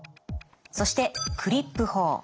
そしてクリップ法。